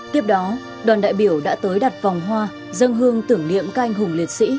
tiếp đó đoàn đại biểu đã tới đặt vòng hoa dâng hương tưởng niệm ca anh hùng liệt sĩ